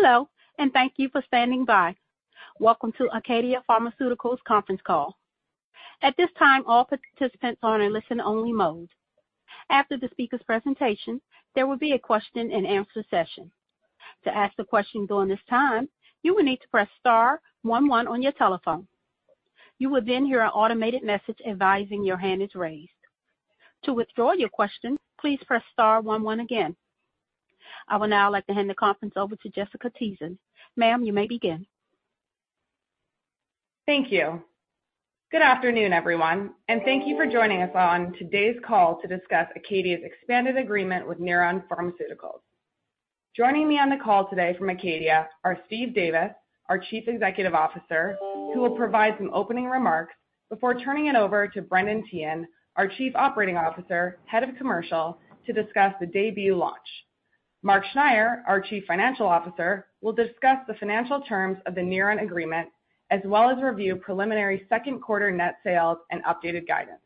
Hello, thank you for standing by. Welcome to ACADIA Pharmaceuticals conference call. At this time, all participants are in listen-only mode. After the speaker's presentation, there will be a question-and-answer session. To ask the question during this time, you will need to press star 1 1 on your telephone. You will then hear an automated message advising your hand is raised. To withdraw your question, please press star 1 1 again. I will now like to hand the conference over to Jessica Tieszen. Ma'am, you may begin. Thank you. Good afternoon, everyone, and thank you for joining us on today's call to discuss ACADIA's expanded agreement with Neuren Pharmaceuticals. Joining me on the call today from ACADIA are Steve Davis, our Chief Executive Officer, who will provide some opening remarks before turning it over to Brendan Teehan, our Chief Operating Officer, Head of Commercial, to discuss the DAYBUE launch. Mark Schneyer, our Chief Financial Officer, will discuss the financial terms of the Neuren agreement, as well as review preliminary second quarter net sales and updated guidance.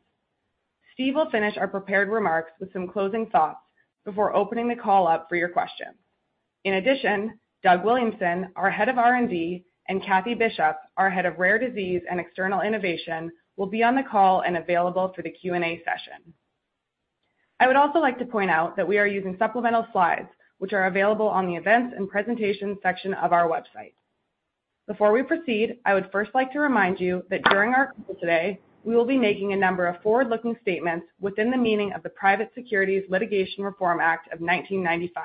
Steve will finish our prepared remarks with some closing thoughts before opening the call up for your questions. In addition, Doug Williamson, our Head of R&D, and Kathie Bishop, our Head of Rare Disease and External Innovation, will be on the call and available for the Q&A session. I would also like to point out that we are using supplemental slides, which are available on the Events and Presentations section of our website. Before we proceed, I would first like to remind you that during our call today, we will be making a number of forward-looking statements within the meaning of the Private Securities Litigation Reform Act of 1995.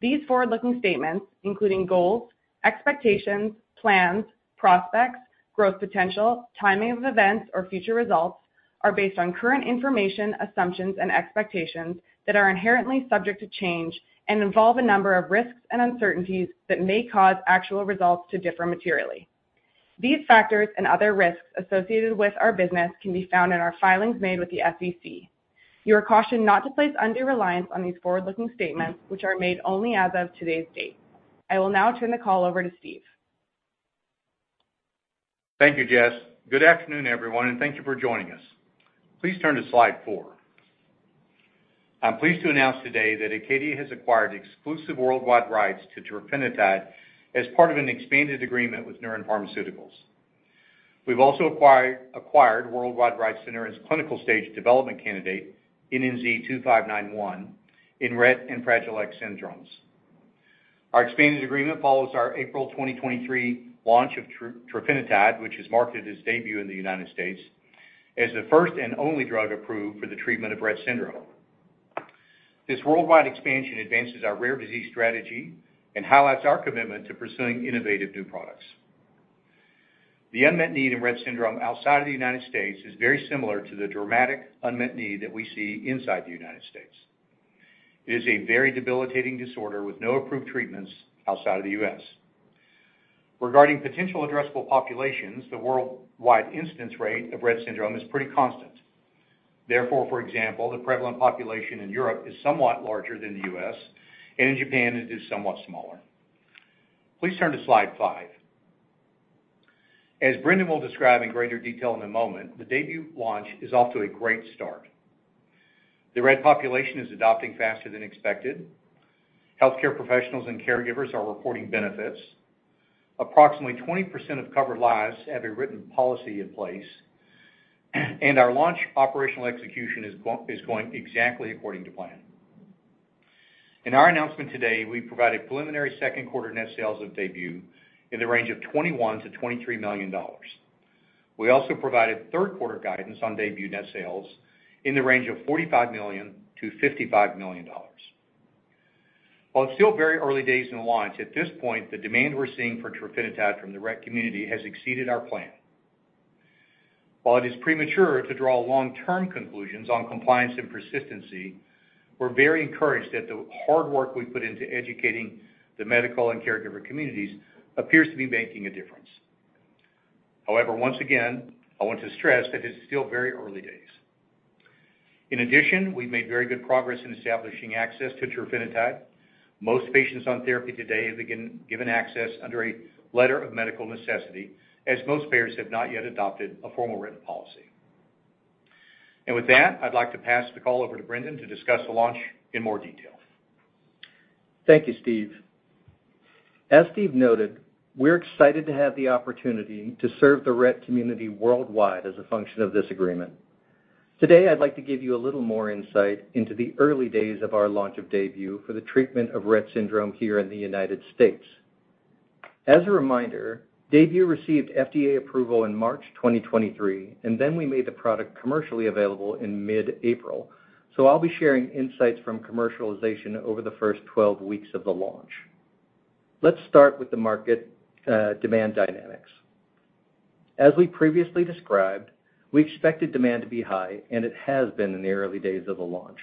These forward-looking statements, including goals, expectations, plans, prospects, growth, potential, timing of events, or future results, are based on current information, assumptions, and expectations that are inherently subject to change and involve a number of risks and uncertainties that may cause actual results to differ materially. These factors and other risks associated with our business can be found in our filings made with the SEC. You are cautioned not to place undue reliance on these forward-looking statements, which are made only as of today's date. I will now turn the call over to Steve. Thank you, Jess. Good afternoon, everyone, and thank you for joining us. Please turn to slide four. I'm pleased to announce today that ACADIA has acquired exclusive worldwide rights to trofinetide as part of an expanded agreement with Neuren Pharmaceuticals. We've also acquired worldwide rights to Neuren's clinical stage development candidate, NNZ-2591, in Rett and Fragile X syndromes. Our expanded agreement follows our April 2023 launch of trofinetide, which is marketed as DAYBUE in the United States, as the first and only drug approved for the treatment of Rett syndrome. This worldwide expansion advances our rare disease strategy and highlights our commitment to pursuing innovative new products. The unmet need in Rett syndrome outside of the United States is very similar to the dramatic unmet need that we see inside the United States. It is a very debilitating disorder with no approved treatments outside of the U.S. Regarding potential addressable populations, the worldwide instance rate of Rett syndrome is pretty constant. Therefore, for example, the prevalent population in Europe is somewhat larger than the U.S., and in Japan, it is somewhat smaller. Please turn to slide 5. As Brendan will describe in greater detail in a moment, the DAYBUE launch is off to a great start. The Rett population is adopting faster than expected. Healthcare professionals and caregivers are reporting benefits. Approximately 20% of covered lives have a written policy in place, and our launch operational execution is going exactly according to plan. In our announcement today, we provided preliminary second quarter net sales of DAYBUE in the range of $21 million-$23 million. We also provided third quarter guidance on DAYBUE net sales in the range of $45 million-$55 million. While it's still very early days in the launch, at this point, the demand we're seeing for trofinetide from the Rett community has exceeded our plan. While it is premature to draw long-term conclusions on compliance and persistency, we're very encouraged that the hard work we put into educating the medical and caregiver communities appears to be making a difference. However, once again, I want to stress that it's still very early days. In addition, we've made very good progress in establishing access to trofinetide. Most patients on therapy today have been given access under a letter of medical necessity, as most payers have not yet adopted a formal written policy. With that, I'd like to pass the call over to Brendan to discuss the launch in more detail. Thank you, Steve. As Steve noted, we're excited to have the opportunity to serve the Rett community worldwide as a function of this agreement. Today, I'd like to give you a little more insight into the early days of our launch of DAYBUE for the treatment of Rett syndrome here in the United States. As a reminder, DAYBUE received FDA approval in March 2023, and then we made the product commercially available in mid-April. I'll be sharing insights from commercialization over the first 12 weeks of the launch. Let's start with the market demand dynamics. As we previously described, we expected demand to be high, and it has been in the early days of the launch.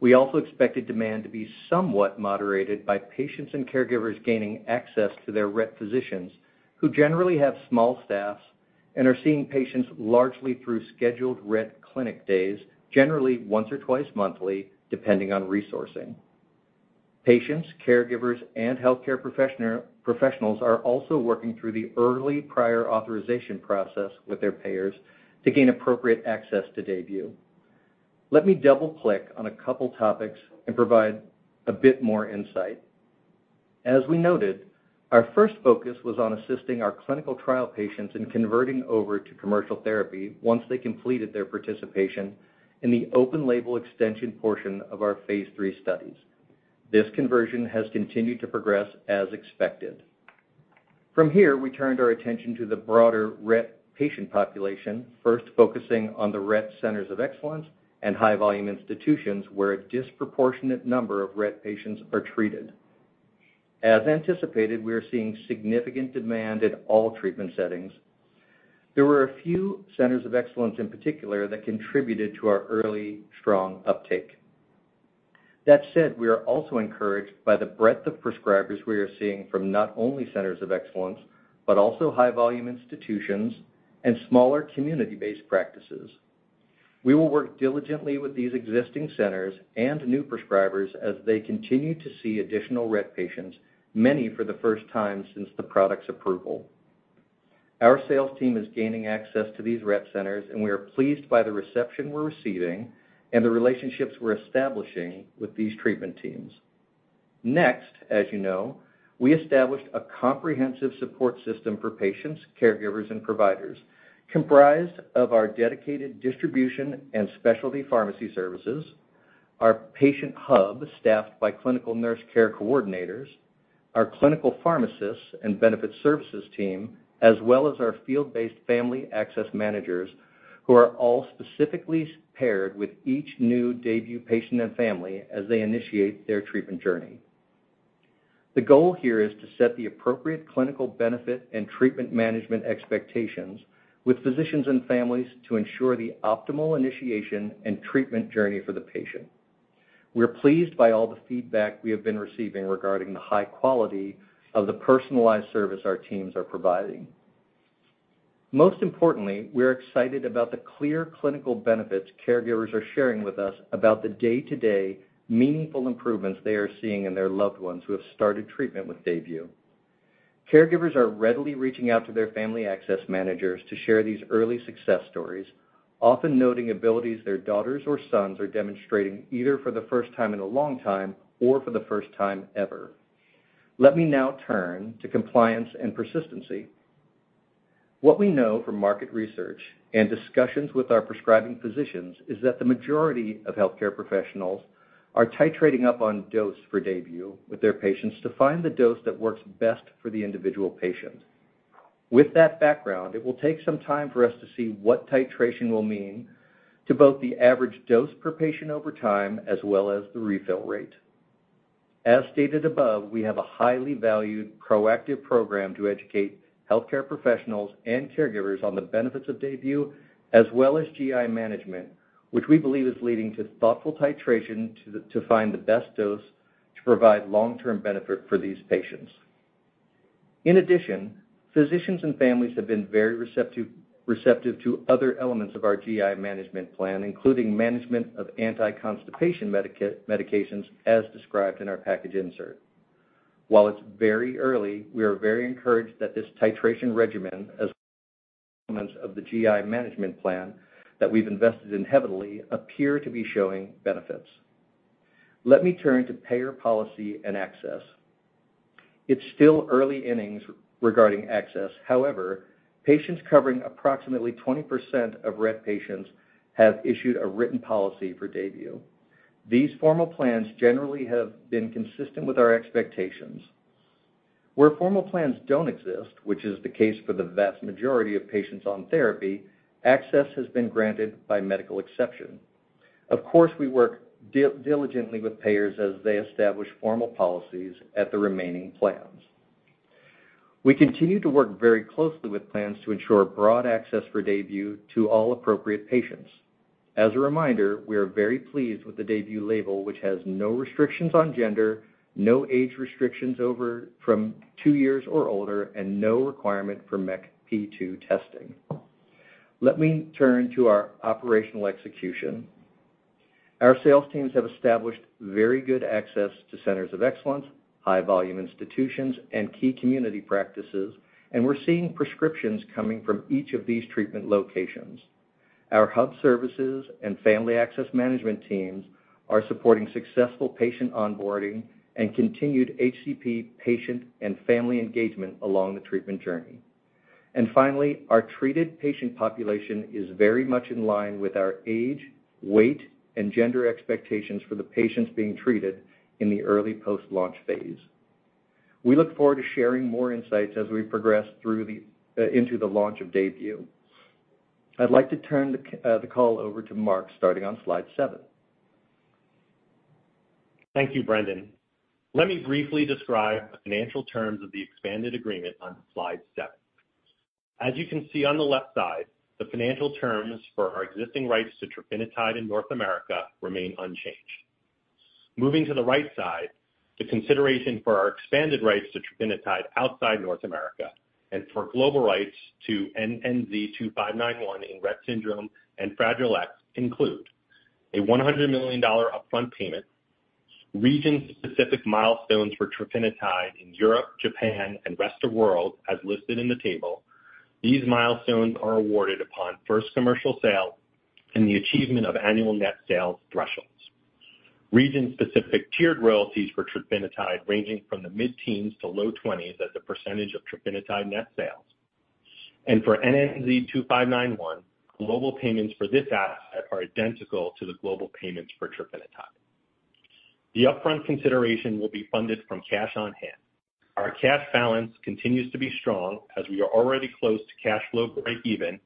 We also expected demand to be somewhat moderated by patients and caregivers gaining access to their Rett physicians, who generally have small staffs and are seeing patients largely through scheduled Rett clinic days, generally once or twice monthly, depending on resourcing. Patients, caregivers, and healthcare professionals are also working through the early prior authorization process with their payers to gain appropriate access to DAYBUE. Let me double-click on a couple topics and provide a bit more insight. As we noted, our first focus was on assisting our clinical trial patients in converting over to commercial therapy once they completed their participation in the open-label extension portion of our phase 3 studies. This conversion has continued to progress as expected. From here, we turned our attention to the broader Rett patient population, first focusing on the Rett Syndrome Centers of Excellence and high-volume institutions where a disproportionate number of Rett patients are treated. As anticipated, we are seeing significant demand in all treatment settings. There were a few centers of excellence, in particular, that contributed to our early strong uptake. That said, we are also encouraged by the breadth of prescribers we are seeing from not only centers of excellence, but also high-volume institutions and smaller community-based practices. We will work diligently with these existing centers and new prescribers as they continue to see additional Rett patients, many for the first time since the product's approval. Our sales team is gaining access to these Rett centers, and we are pleased by the reception we're receiving and the relationships we're establishing with these treatment teams. Next, as you know, we established a comprehensive support system for patients, caregivers, and providers, comprised of our dedicated distribution and specialty pharmacy services, our patient hub, staffed by clinical nurse care coordinators, our clinical pharmacists and benefit services team, as well as our field-based Family Access Managers, who are all specifically paired with each new DAYBUE patient and family as they initiate their treatment journey. The goal here is to set the appropriate clinical benefit and treatment management expectations with physicians and families to ensure the optimal initiation and treatment journey for the patient. We are pleased by all the feedback we have been receiving regarding the high quality of the personalized service our teams are providing. Most importantly, we are excited about the clear clinical benefits caregivers are sharing with us about the day-to-day meaningful improvements they are seeing in their loved ones who have started treatment with DAYBUE. Caregivers are readily reaching out to their Family Access Managers to share these early success stories, often noting abilities their daughters or sons are demonstrating either for the first time in a long time or for the first time ever. Let me now turn to compliance and persistency. What we know from market research and discussions with our prescribing physicians, is that the majority of healthcare professionals are titrating up on dose for DAYBUE with their patients to find the dose that works best for the individual patient. With that background, it will take some time for us to see what titration will mean to both the average dose per patient over time as well as the refill rate. As stated above, we have a highly valued, proactive program to educate healthcare professionals and caregivers on the benefits of DAYBUE, as well as GI management, which we believe is leading to thoughtful titration to find the best dose to provide long-term benefit for these patients. Physicians and families have been very receptive to other elements of our GI management plan, including management of anti-constipation medications, as described in our package insert. While it's very early, we are very encouraged that this titration regimen, as well as elements of the GI management plan that we've invested in heavily, appear to be showing benefits. Let me turn to payer policy and access. It's still early innings regarding access. However, patients covering approximately 20% of Rett patients have issued a written policy for DAYBUE. These formal plans generally have been consistent with our expectations. Where formal plans don't exist, which is the case for the vast majority of patients on therapy, access has been granted by medical exception. Of course, we work diligently with payers as they establish formal policies at the remaining plans. We continue to work very closely with plans to ensure broad access for DAYBUE to all appropriate patients. As a reminder, we are very pleased with the DAYBUE label, which has no restrictions on gender, no age restrictions over from 2 years or older, and no requirement for MECP2 testing. Let me turn to our operational execution. Our sales teams have established very good access to Centers of Excellence, high-volume institutions, and key community practices, and we're seeing prescriptions coming from each of these treatment locations. Our hub services and Family Access Management teams are supporting successful patient onboarding and continued HCP patient and family engagement along the treatment journey. Finally, our treated patient population is very much in line with our age, weight, and gender expectations for the patients being treated in the early post-launch phase. We look forward to sharing more insights as we progress through the into the launch of DAYBUE. I'd like to turn the call over to Mark, starting on slide 7. Thank you, Brendan. Let me briefly describe the financial terms of the expanded agreement on slide 7. As you can see on the left side, the financial terms for our existing rights to trofinetide in North America remain unchanged. Moving to the right side, the consideration for our expanded rights to trofinetide outside North America and for global rights to NNZ-2591 in Rett syndrome and Fragile X include: a $100 million upfront payment,... region-specific milestones for trofinetide in Europe, Japan, and rest of world, as listed in the table. These milestones are awarded upon first commercial sale and the achievement of annual net sales thresholds. Region-specific tiered royalties for trofinetide, ranging from the mid-teens to low 20s as a % of trofinetide net sales. For NNZ-2591, global payments for this asset are identical to the global payments for trofinetide. The upfront consideration will be funded from cash on hand. Our cash balance continues to be strong as we are already close to cash flow breakeven,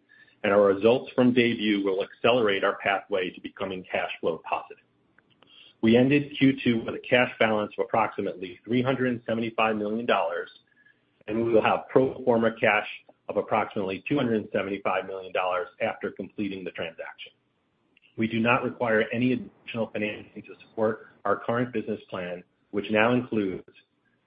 and our results from DAYBUE will accelerate our pathway to becoming cash flow positive. We ended Q2 with a cash balance of approximately $375 million, and we will have pro forma cash of approximately $275 million after completing the transaction. We do not require any additional financing to support our current business plan, which now includes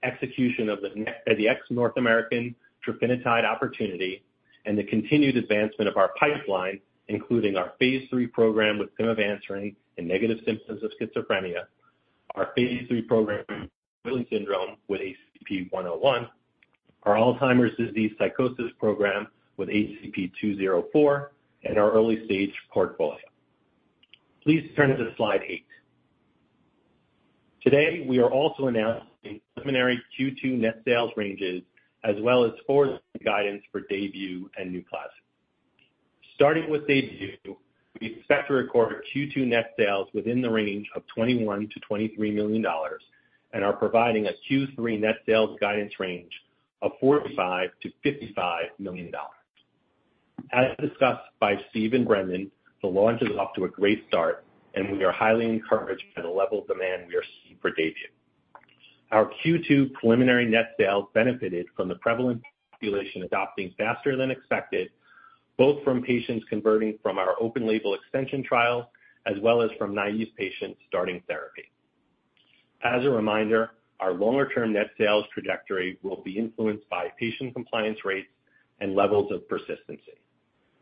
execution of the ex-North American trofinetide opportunity and the continued advancement of our pipeline, including our phase 3 program with pimavanserin in negative symptoms of schizophrenia, our phase 3 program with Prader-Willi syndrome with ACP-101, our Alzheimer's disease psychosis program with ACP-204, and our early-stage portfolio. Please turn to Slide 8. Today, we are also announcing preliminary Q2 net sales ranges as well as forward guidance for DAYBUE and NUPLAZID. Starting with DAYBUE, we expect to record Q2 net sales within the range of $21 million-$23 million, and are providing a Q3 net sales guidance range of $45 million-$55 million. As discussed by Steve and Brendan, the launch is off to a great start, and we are highly encouraged by the level of demand we are seeing for DAYBUE. Our Q2 preliminary net sales benefited from the prevalent population adopting faster than expected, both from patients converting from our open-label extension trial, as well as from naive patients starting therapy. As a reminder, our longer-term net sales trajectory will be influenced by patient compliance rates and levels of persistency.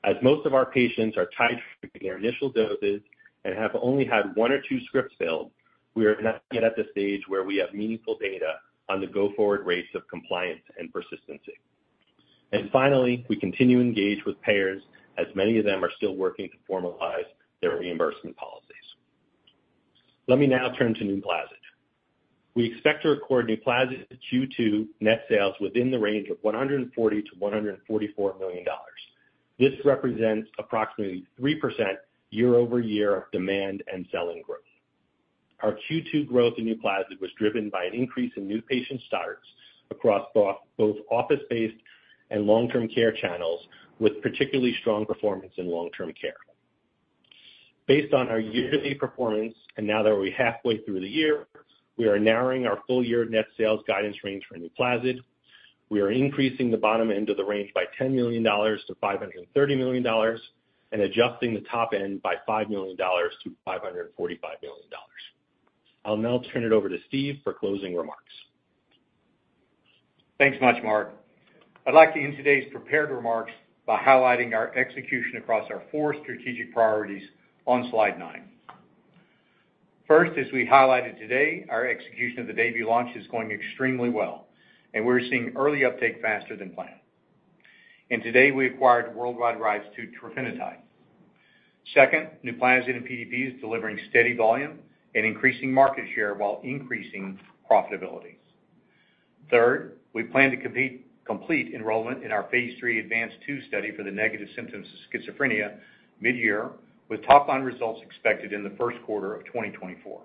As most of our patients are titrating their initial doses and have only had 1 or 2 scripts filled, we are not yet at the stage where we have meaningful data on the go-forward rates of compliance and persistency. Finally, we continue to engage with payers as many of them are still working to formalize their reimbursement policies. Let me now turn to Nuplazid. We expect to record Nuplazid Q2 net sales within the range of $140 million-$144 million. This represents approximately 3% year-over-year demand and selling growth. Our Q2 growth in Nuplazid was driven by an increase in new patient starts across both office-based and long-term care channels, with particularly strong performance in long-term care. Based on our year-to-date performance, and now that we're halfway through the year, we are narrowing our full year net sales guidance range for NUPLAZID. We are increasing the bottom end of the range by $10 million to $530 million, and adjusting the top end by $5 million to $545 million. I'll now turn it over to Steve for closing remarks. Thanks much, Mark. I'd like to end today's prepared remarks by highlighting our execution across our four strategic priorities on Slide nine. First, as we highlighted today, our execution of the DAYBUE launch is going extremely well, and we're seeing early uptake faster than planned. Today, we acquired worldwide rights to trofinetide. Second, NUPLAZID in PDP is delivering steady volume and increasing market share while increasing profitability. Third, we plan to complete enrollment in our phase 3 ADVANCE-2 study for the negative symptoms of schizophrenia mid-year, with top line results expected in the first quarter of 2024.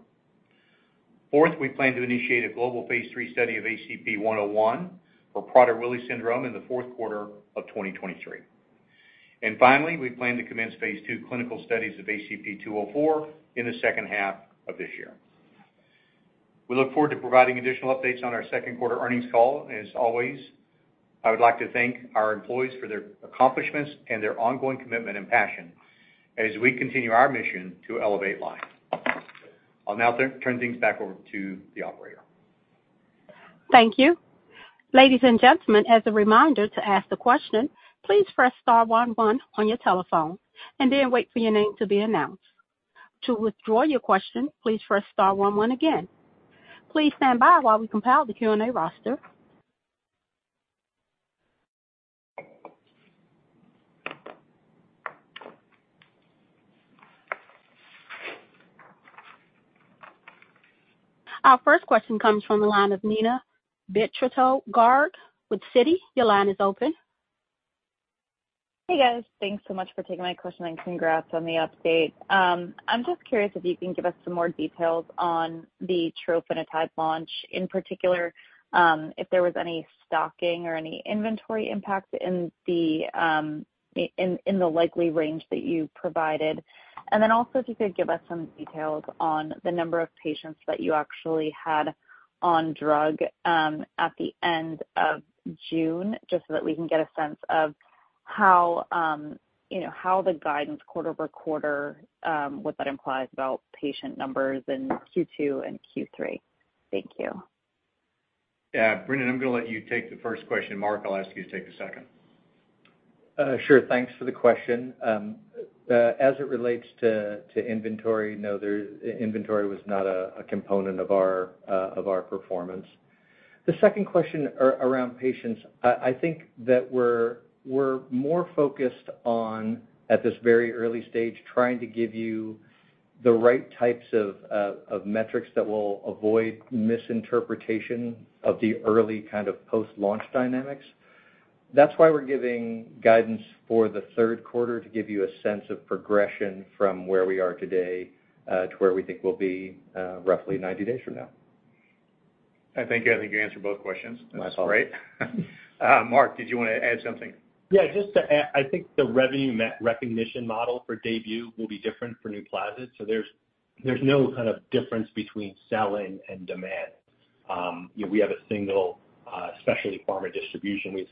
Fourth, we plan to initiate a global phase 3 study of ACP-101 for Prader-Willi syndrome in the fourth quarter of 2023. Finally, we plan to commence phase 2 clinical studies of ACP-204 in the second half of this year. We look forward to providing additional updates on our second quarter earnings call. As always, I would like to thank our employees for their accomplishments and their ongoing commitment and passion as we continue our mission to elevate life. I'll now turn things back over to the operator. Thank you. Ladies and gentlemen, as a reminder to ask a question, please press star 1 1 on your telephone and then wait for your name to be announced. To withdraw your question, please press star 1 1 again. Please stand by while we compile the Q&A roster. Our first question comes from the line of Neena Bitritto-Garg with Citi. Your line is open. Hey, guys. Thanks so much for taking my question. Congrats on the update. I'm just curious if you can give us some more details on the trofinetide launch, in particular, if there was any stocking or any inventory impact in the likely range that you provided. Also, if you could give us some details on the number of patients that you actually had on drug at the end of June, just so that we can get a sense of how, you know, how the guidance quarter-over-quarter, what that implies about patient numbers in Q2 and Q3. Thank you. Yeah, Brendan, I'm gonna let you take the first question. Mark, I'll ask you to take the second. Sure. Thanks for the question. As it relates to inventory, no, inventory was not a component of our performance. The second question around patients, I think that we're more focused on, at this very early stage, trying to give you the right types of metrics that will avoid misinterpretation of the early kind of post-launch dynamics. That's why we're giving guidance for the third quarter, to give you a sense of progression from where we are today, to where we think we'll be, roughly 90 days from now. I thank you. I think you answered both questions. My fault. That's great. Mark, did you wanna add something? Yeah, just to add, I think the revenue recognition model for DAYBUE will be different for NUPLAZID. There's no kind of difference between selling and demand. You know, we have a single specialty pharma distribution. We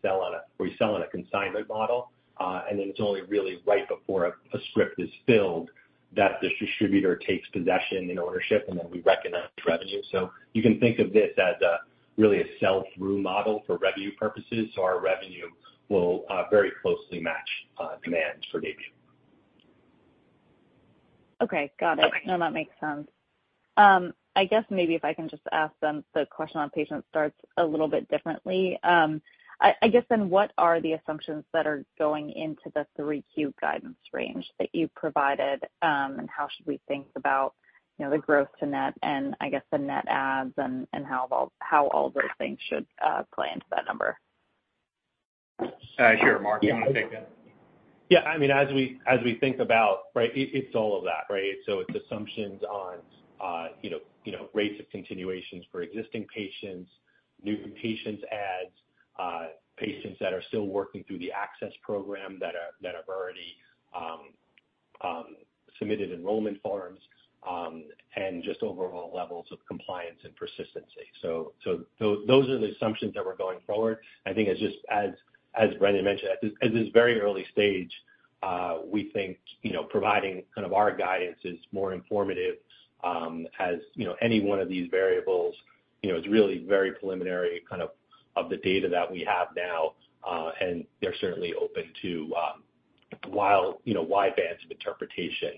sell on a consignment model, then it's only really right before a script is filled that the distributor takes possession and ownership, then we recognize revenue. You can think of this as a really a sell-through model for revenue purposes, our revenue will very closely match demand for DAYBUE. Okay, got it. No, that makes sense. I guess maybe if I can just ask them, the question on patient starts a little bit differently. I guess then, what are the assumptions that are going into the 3Q guidance range that you've provided, and how should we think about, you know, the growth to net and I guess, the net adds and how all those things should play into that number? Sure, Mark, you want to take that? Yeah, I mean, as we think about, right, it's all of that, right? It's assumptions on, you know, rates of continuations for existing patients, new patients adds, patients that are still working through the access program that have already submitted enrollment forms, and just overall levels of compliance and persistency. Those are the assumptions that we're going forward. I think it's just as Brendan mentioned, at this very early stage, we think, you know, providing kind of our guidance is more informative, as, you know, any one of these variables, you know, is really very preliminary kind of the data that we have now, and they're certainly open to, while, you know, wide bands of interpretation,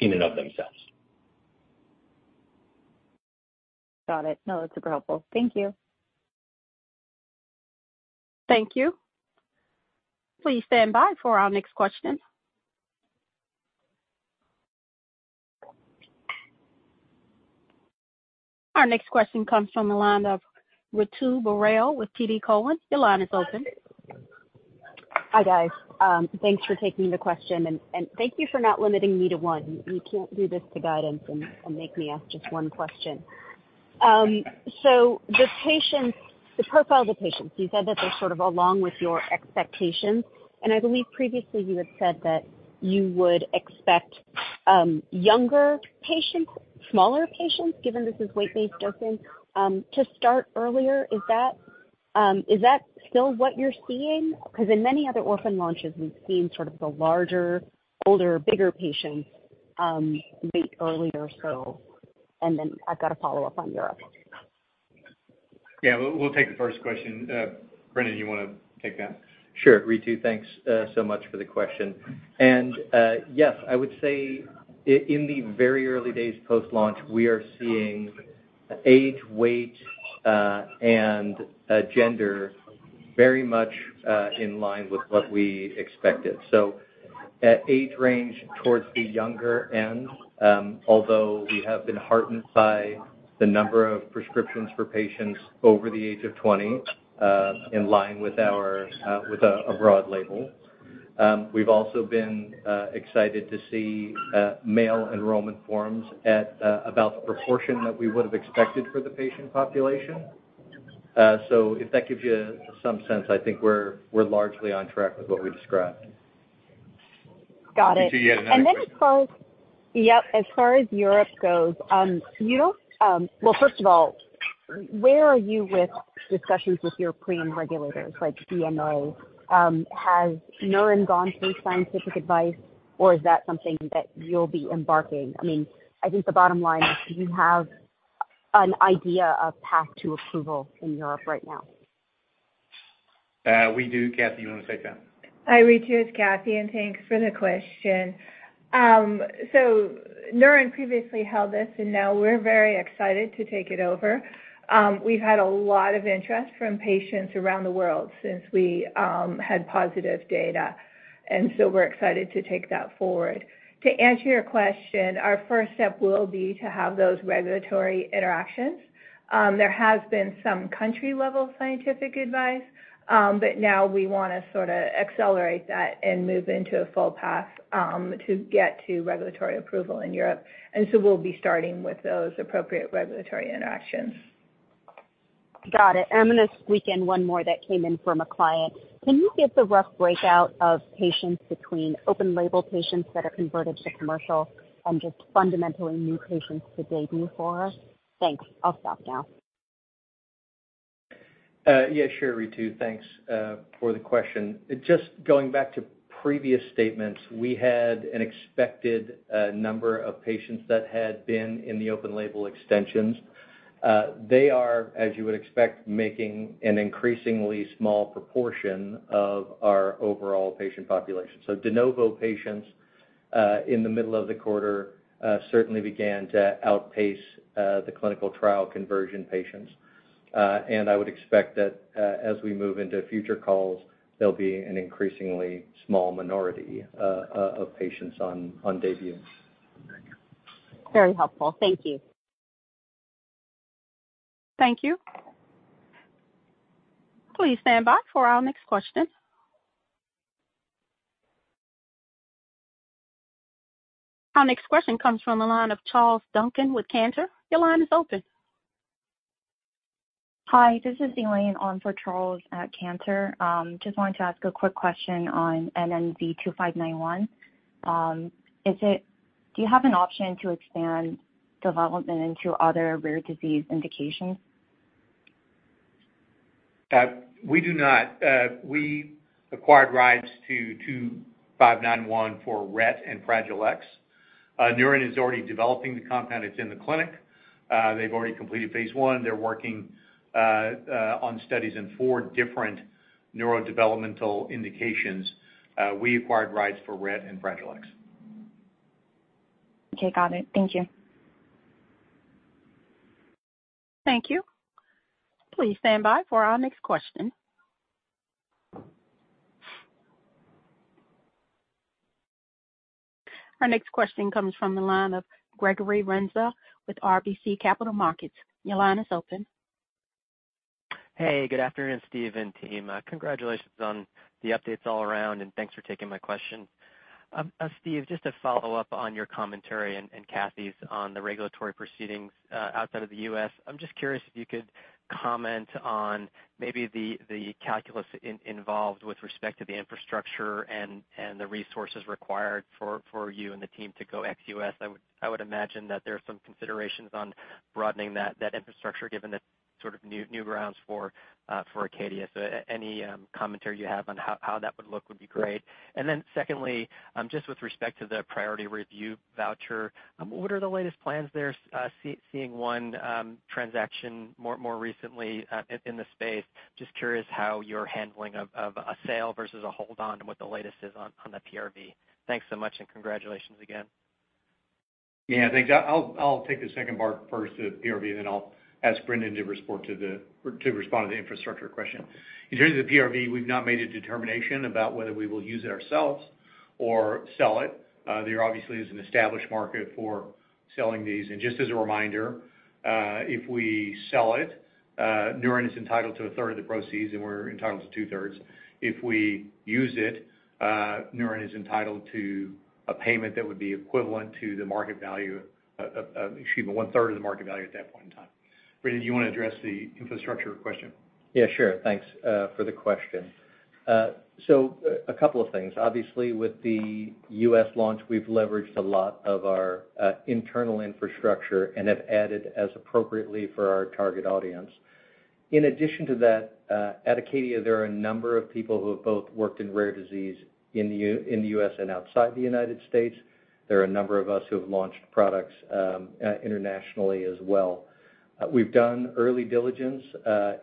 in and of themselves. Got it. No, that's super helpful. Thank you. Thank you. Please stand by for our next question. Our next question comes from the line of Ritu Baral with TD Cowen. Your line is open. Hi, guys. Thanks for taking the question, and thank you for not limiting me to one. You can't do this to guidance and make me ask just one question. The profile of the patients, you said that they're sort of along with your expectations, and I believe previously you had said that you would expect younger patients, smaller patients, given this is weight-based dosing, to start earlier. Is that, is that still what you're seeing? Because in many other orphan launches, we've seen sort of the larger, older, bigger patients bait earlier. I've got a follow-up on Europe. Yeah, we'll take the first question. Brendan, you wanna take that? Sure. Ritu, thanks so much for the question. Yes, I would say in the very early days post-launch, we are seeing age, weight, and gender very much in line with what we expected. At age range, towards the younger end, although we have been heartened by the number of prescriptions for patients over the age of 20, in line with our with a broad label. We've also been excited to see male enrollment forms at about the proportion that we would have expected for the patient population. If that gives you some sense, I think we're largely on track with what we described. Got it. You see yet another... As far as Europe goes, you, well, first of all, where are you with discussions with your primary regulators, like the EMA? Has Neuren gone through scientific advice, or is that something that you'll be embarking? I mean, I think the bottom line is, do you have an idea of path to approval in Europe right now? We do. Kathie, you wanna take that? Hi, Ritu, it's Kathie, and thanks for the question. Neuren previously held this, and now we're very excited to take it over. We've had a lot of interest from patients around the world since we had positive data, we're excited to take that forward. To answer your question, our first step will be to have those regulatory interactions. There has been some country-level scientific advice, we wanna sorta accelerate that and move into a full path to get to regulatory approval in Europe. We'll be starting with those appropriate regulatory interactions. Got it. I'm gonna squeak in one more that came in from a client. Can you give the rough breakout of patients between open label patients that are converted to commercial and just fundamentally new patients to DAYBUE for us? Thanks. I'll stop now. Yeah, sure, Ritu. Thanks for the question. Just going back to previous statements, we had an expected number of patients that had been in the open-label extension. They are, as you would expect, making an increasingly small proportion of our overall patient population. De novo patients, in the middle of the quarter, certainly began to outpace the clinical trial conversion patients. I would expect that, as we move into future calls, they'll be an increasingly small minority of patients on DAYBUE. Very helpful. Thank you. Thank you. Please stand by for our next question. Our next question comes from the line of Charles Duncan with Cantor. Your line is open. Hi, this is Elaine on for Charles at Cantor. Just wanted to ask a quick question on NNZ-2591. Do you have an option to expand development into other rare disease indications? We do not. We acquired rights to NNZ-2591 for Rett and Fragile X. Neuren is already developing the compound. It's in the clinic. They've already completed phase 1. They're working on studies in four different neurodevelopmental indications. We acquired rights for Rett and Fragile X. Okay, got it. Thank you. Thank you. Please stand by for our next question. Our next question comes from the line of Gregory Renza with RBC Capital Markets. Your line is open. Hey, good afternoon, Steve and team. Congratulations on the updates all around, and thanks for taking my question. Steve, just to follow up on your commentary and Kathie's on the regulatory proceedings outside of the U.S., I'm just curious if you could comment on maybe the calculus involved with respect to the infrastructure and the resources required for you and the team to go ex-U.S. I would imagine that there are some considerations on broadening that infrastructure, given the sort of new grounds for ACADIA. Any commentary you have on how that would look would be great. Secondly, just with respect to the priority review voucher, what are the latest plans there, seeing one transaction more recently in the space? Just curious how you're handling of a sale versus a hold on and what the latest is on the PRV. Thanks so much, and congratulations again. Yeah, thanks. I'll take the second part first, the PRV, and then I'll ask Brendan to respond to the infrastructure question. In terms of the PRV, we've not made a determination about whether we will use it ourselves or sell it. There obviously is an established market for selling these. Just as a reminder, if we sell it, Neuren is entitled to a third of the proceeds, and we're entitled to two-thirds. If we use it, Neuren is entitled to a payment that would be equivalent to the market value, excuse me, one-third of the market value at that point in time. Brendan, do you want to address the infrastructure question? Yeah, sure. Thanks for the question. A couple of things. Obviously, with the U.S. launch, we've leveraged a lot of our internal infrastructure and have added as appropriately for our target audience. In addition to that, at ACADIA, there are a number of people who have both worked in rare disease in the U.S. and outside the United States. There are a number of us who have launched products internationally as well. We've done early diligence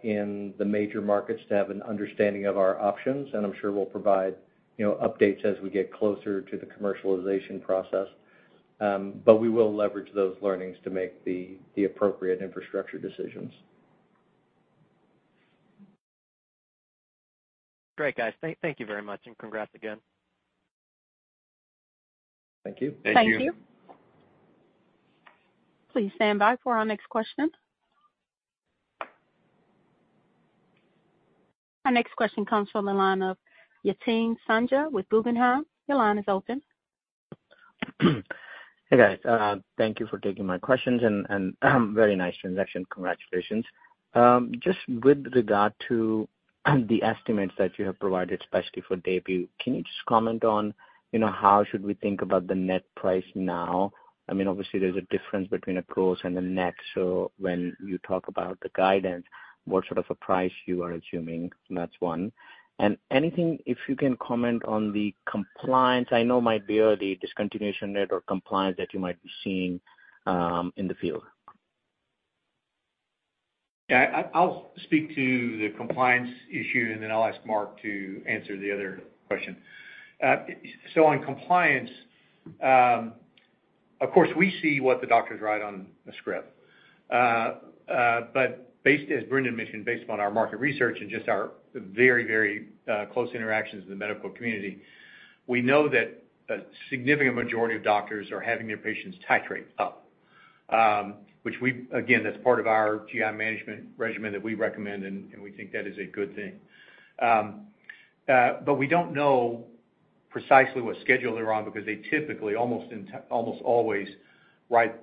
in the major markets to have an understanding of our options, and I'm sure we'll provide, you know, updates as we get closer to the commercialization process. We will leverage those learnings to make the appropriate infrastructure decisions. Great, guys. Thank you very much, and congrats again. Thank you. Thank you. Thank you. Please stand by for our next question. Our next question comes from the line of Yatin Suneja with Guggenheim. Your line is open. Hey, guys, thank you for taking my questions and very nice transaction. Congratulations. Just with regard to the estimates that you have provided, especially for DAYBUE, can you just comment on, you know, how should we think about the net price now? I mean, obviously there's a difference between a gross and a net, when you talk about the guidance, what sort of a price you are assuming? That's one. Anything, if you can comment on the compliance, I know might be the discontinuation rate or compliance that you might be seeing in the field. Yeah, I'll speak to the compliance issue, and then I'll ask Mark to answer the other question. On compliance, of course, we see what the doctors write on the script. But based, as Brendan mentioned, based upon our market research and just our very, very, close interactions with the medical community, we know that a significant majority of doctors are having their patients titrate up, which we again, that's part of our GI management regimen that we recommend, and we think that is a good thing. We don't know precisely what schedule they're on because they typically, almost always write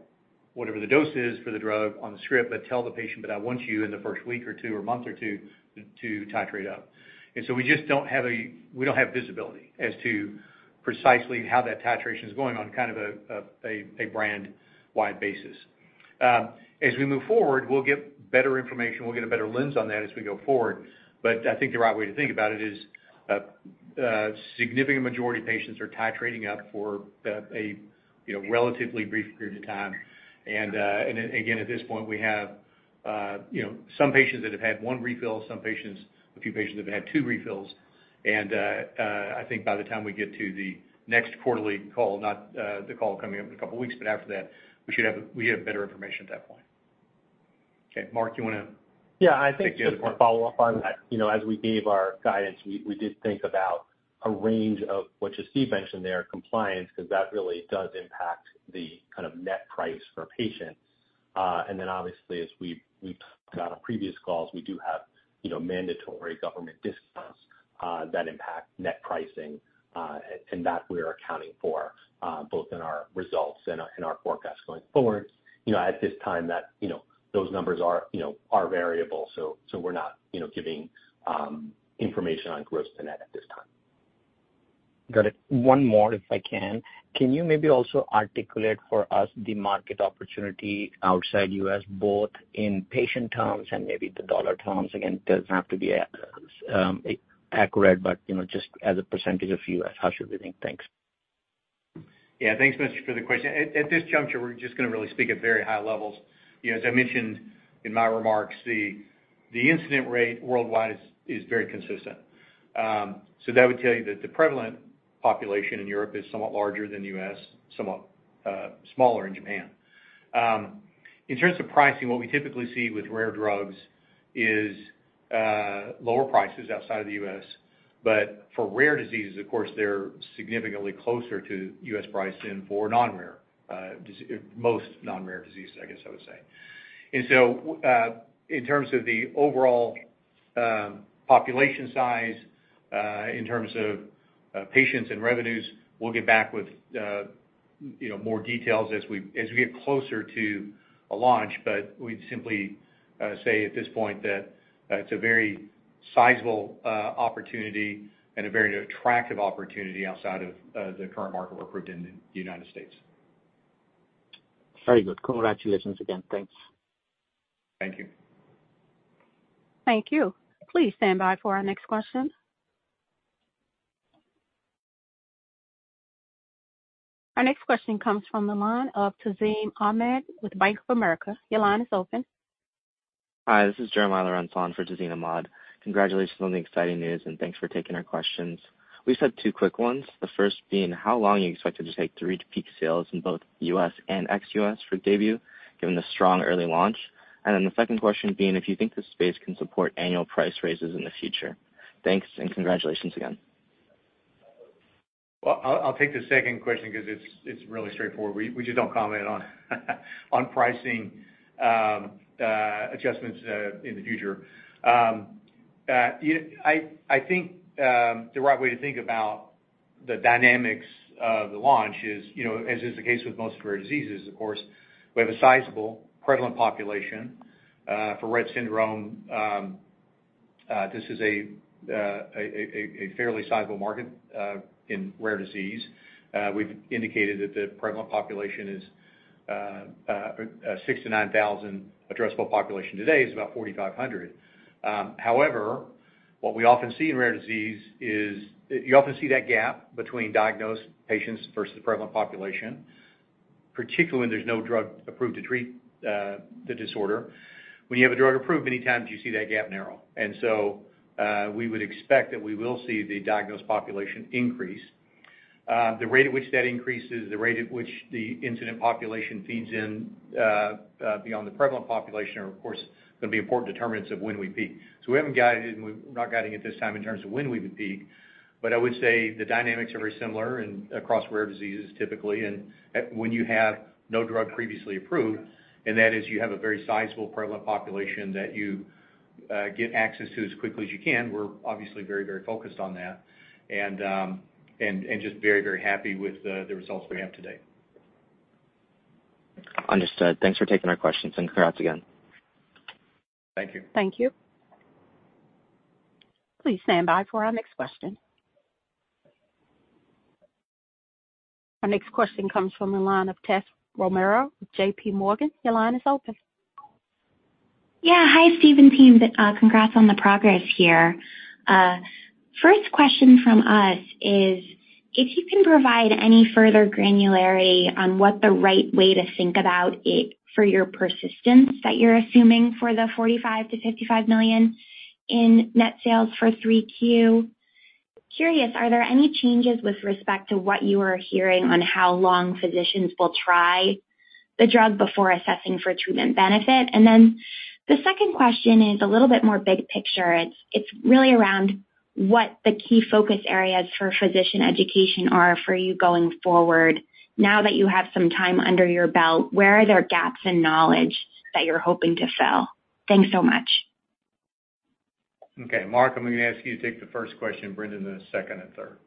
whatever the dose is for the drug on the script, but tell the patient: "But I want you in the 1st week or 2 or month or 2 to titrate up." We just don't have visibility as to precisely how that titration is going on, kind of a brand-wide basis. As we move forward, we'll get better information, we'll get a better lens on that as we go forward. I think the right way to think about it is, a significant majority of patients are titrating up for the, you know, relatively brief period of time. Then again, at this point, we have, you know, some patients that have had one refill, some patients, a few patients that have had two refills. I think by the time we get to the next quarterly call, not the call coming up in a couple of weeks, but after that, we should have better information at that point. Okay, Mark, you wanna I think just to follow up on that, you know, as we gave our guidance, we did think about a range of what just Steve mentioned there, compliance, because that really does impact the kind of net price for a patient. Then obviously, as we've talked about on previous calls, we do have, you know, mandatory government discounts that impact net pricing, and that we are accounting for both in our results and in our forecast going forward. You know, at this time, that, you know, those numbers are, you know, are variable, so we're not, you know, giving information on gross to net at this time. Got it. One more, if I can. Can you maybe also articulate for us the market opportunity outside U.S., both in patient terms and maybe the dollar terms? Again, it does not have to be accurate, but, you know, just as a % of U.S., how should we think? Thanks. Yeah, thanks, Manish, for the question. At this juncture, we're just gonna really speak at very high levels. You know, as I mentioned in my remarks, the incident rate worldwide is very consistent. That would tell you that the prevalent population in Europe is somewhat larger than U.S., somewhat smaller in Japan. In terms of pricing, what we typically see with rare drugs is lower prices outside of the U.S. For rare diseases, of course, they're significantly closer to U.S. pricing for non-rare disease, most non-rare diseases, I guess I would say. In terms of the overall population size, in terms of patients and revenues, we'll get back with, you know, more details as we get closer to a launch. We'd simply say at this point that it's a very sizable opportunity and a very attractive opportunity outside of the current market we're approved in the United States. Very good. Congratulations again. Thanks. Thank you. Thank you. Please stand by for our next question. Our next question comes from the line of Tazeen Ahmad with Bank of America. Your line is open. Hi, this is Jeremiah LoRe for Tazeen Ahmad. Congratulations on the exciting news, and thanks for taking our questions. We just have two quick ones. The first being, how long you expect it to take to reach peak sales in both U.S. and ex-U.S. for DAYBUE, given the strong early launch? The second question being, if you think this space can support annual price raises in the future. Thanks, and congratulations again. Well, I'll take the second question because it's really straightforward. We just don't comment on pricing adjustments in the future. You know, I think the right way to think about the dynamics of the launch is, you know, as is the case with most of our diseases, of course, we have a sizable prevalent population for Rett syndrome. This is a fairly sizable market in rare disease. We've indicated that the prevalent population is 6,000-9,000. Addressable population today is about 4,500. However, what we often see in rare disease is, you often see that gap between diagnosed patients versus the prevalent population, particularly when there's no drug approved to treat the disorder. When you have a drug approved, many times you see that gap narrow. We would expect that we will see the diagnosed population increase. The rate at which that increases, the rate at which the incident population feeds in beyond the prevalent population are, of course, going to be important determinants of when we peak. We haven't guided, and we're not guiding at this time in terms of when we would peak, but I would say the dynamics are very similar and across rare diseases, typically, and when you have no drug previously approved, and that is you have a very sizable prevalent population that you get access to as quickly as you can. We're obviously very, very focused on that. And just very, very happy with the results we have today. Understood. Thanks for taking our questions, and congrats again. Thank you. Thank you. Please stand by for our next question. Our next question comes from the line of Tessa Romero, J.P. Morgan. Your line is open. Hi, Steve and team. Congrats on the progress here. First question from us is, if you can provide any further granularity on what the right way to think about it for your persistence that you're assuming for the $45 million-$55 million in net sales for 3Q? Curious, are there any changes with respect to what you are hearing on how long physicians will try the drug before assessing for treatment benefit? Then the second question is a little bit more big picture. It's really around what the key focus areas for physician education are for you going forward. Now that you have some time under your belt, where are there gaps in knowledge that you're hoping to fill? Thanks so much. Okay, Mark, I'm gonna ask you to take the first question, Brendan, then the second and third.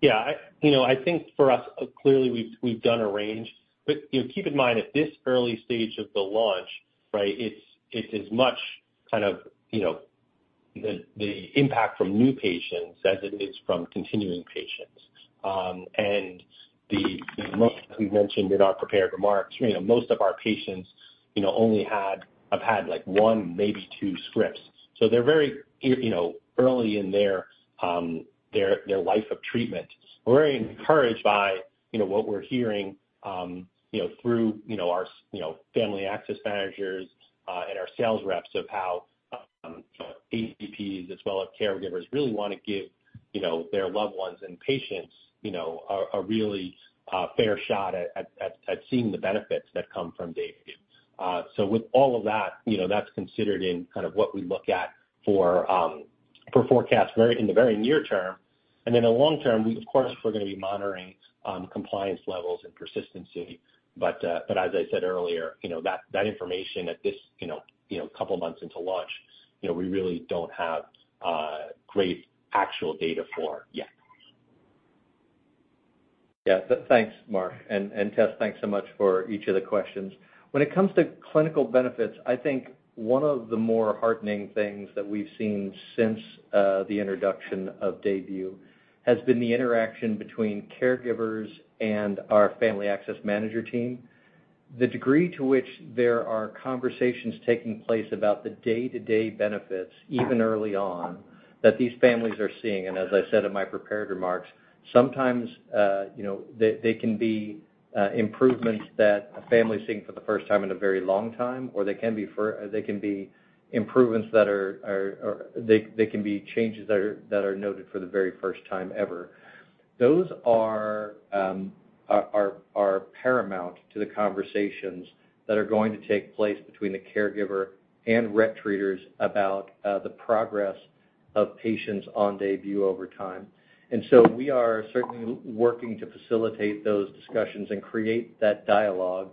Yeah, I, you know, I think for us, clearly, we've done a range. You know, keep in mind, at this early stage of the launch, right? It is much kind of, you know.... the impact from new patients as it is from continuing patients. The, as we mentioned in our prepared remarks, you know, most of our patients, you know, only had, have had, like, one, maybe two scripts. They're very, you know, early in their life of treatment. We're very encouraged by, you know, what we're hearing, you know, through, you know, our, you know, Family Access Managers, and our sales reps of how, you know, ADPs as well as caregivers really want to give, you know, their loved ones and patients, you know, a really fair shot at seeing the benefits that come from DAYBUE. With all of that, you know, that's considered in kind of what we look at for forecasts very, in the very near term. The long term, we, of course, we're gonna be monitoring, compliance levels and persistency. As I said earlier, you know, that information at this, you know, couple months into launch, you know, we really don't have great actual data for yet. Yeah. Thanks, Mark, and Tess, thanks so much for each of the questions. When it comes to clinical benefits, I think one of the more heartening things that we've seen since the introduction of DAYBUE has been the interaction between caregivers and our Family Access Manager team. The degree to which there are conversations taking place about the day-to-day benefits, even early on, that these families are seeing, and as I said in my prepared remarks, sometimes, you know, they can be improvements that a family's seeing for the first time in a very long time, or they can be improvements that are, or they can be changes that are noted for the very first time ever. Those are paramount to the conversations that are going to take place between the caregiver and Rett treaters about the progress of patients on DAYBUE over time. We are certainly working to facilitate those discussions and create that dialogue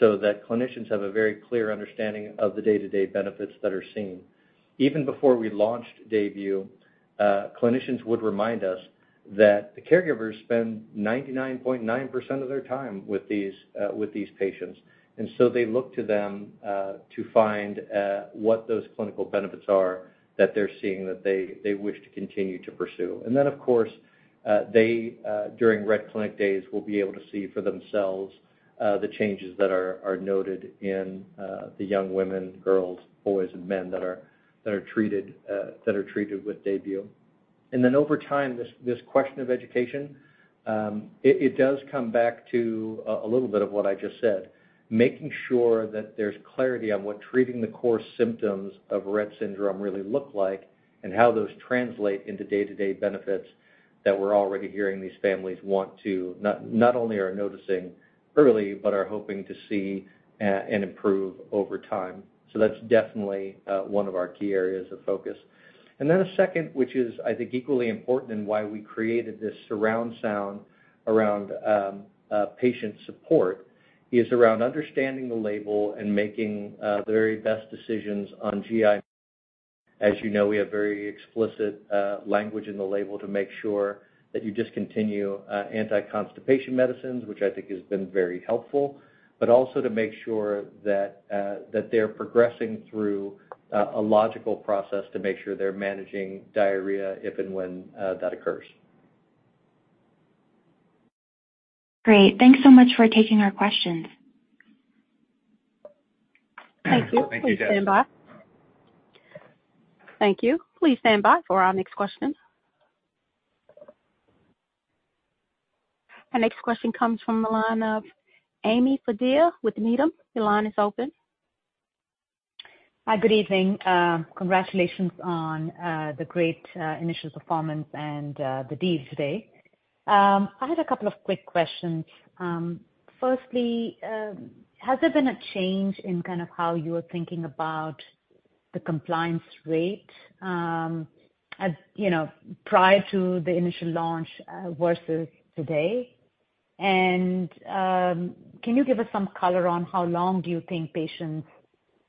so that clinicians have a very clear understanding of the day-to-day benefits that are seen. Even before we launched DAYBUE, clinicians would remind us that the caregivers spend 99.9% of their time with these patients, and so they look to them to find what those clinical benefits are that they're seeing, that they wish to continue to pursue. Of course, they, during Rett clinic days, will be able to see for themselves, the changes that are noted in the young women, girls, boys, and men that are treated with DAYBUE. Over time, this question of education, it does come back to a little bit of what I just said, making sure that there's clarity on what treating the core symptoms of Rett syndrome really look like and how those translate into day-to-day benefits that we're already hearing these families want to, not only are noticing early, but are hoping to see, and improve over time. That's definitely, one of our key areas of focus. A second, which is, I think, equally important and why we created this surround sound around patient support, is around understanding the label and making the very best decisions on GI. You know, we have very explicit language in the label to make sure that you discontinue anti-constipation medicines, which I think has been very helpful, also to make sure that they're progressing through a logical process to make sure they're managing diarrhea if and when that occurs. Great. Thanks so much for taking our questions. Thank you. Thank you, Jess. Thank you. Please stand by. Thank you. Please stand by for our next question. Our next question comes from the line of Ami Fadia with Needham. Your line is open. Hi, good evening. Congratulations on the great initial performance and the deal today. I had a couple of quick questions. Firstly, has there been a change in kind of how you are thinking about the compliance rate, as you know, prior to the initial launch versus today? Can you give us some color on how long do you think patients